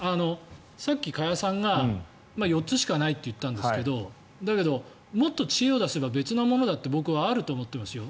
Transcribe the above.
さっき加谷さんが４つしかないと言ったんですがだけど、もっと知恵を出せばほかのものだって僕はあると思ってますよ。